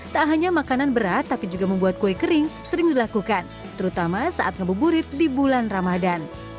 tak hanya makanan berat tapi juga membuat kue kering sering dilakukan terutama saat ngebuburit di bulan ramadan